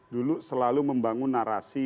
dulu selalu membangun narasi pro kepada kepentingan